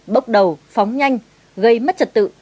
bốc đầu phóng nhanh gây mất trật tự